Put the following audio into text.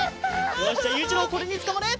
よしじゃあゆういちろうこれにつかまれ！